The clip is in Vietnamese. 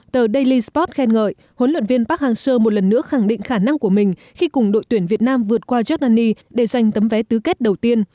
tờ dailysport khen ngợi huấn luyện viên park hang seo một lần nữa khẳng định khả năng của mình khi cùng đội tuyển việt nam vượt qua giordani để giành tấm vé tứ kết đầu tiên